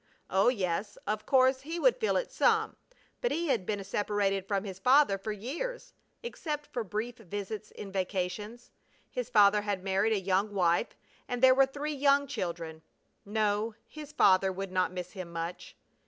Oh yes, of course he would feel it some, but he had been separated from his father for years, except for brief visits in vacations. His father had married a young wife and there were three young children. No, his father would not miss him much!